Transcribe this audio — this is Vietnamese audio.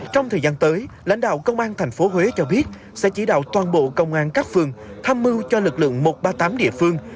trong thời gian tới lãnh đạo công an tp huế cho biết sẽ chỉ đạo toàn bộ công an các phường tham mưu cho lực lượng một trăm ba mươi tám địa phương